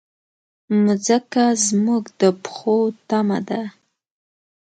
مځکه زموږ د پښو تمه ده.